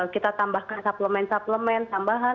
kita tambahkan suplemen suplemen tambahan